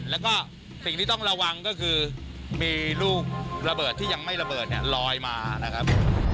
แล้วก็สิ่งที่ต้องระวังก็คือมีลูกระเบิดที่ยังไม่ระเบิดเนี่ยลอยมานะครับ